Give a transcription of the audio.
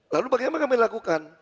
lalu bagaimana kami lakukan